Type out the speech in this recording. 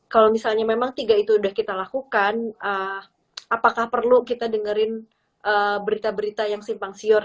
kalau misalnya memang tiga itu sudah kita lakukan apakah perlu kita dengerin berita berita yang simpang siur